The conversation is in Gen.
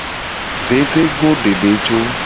Vevegodedejo.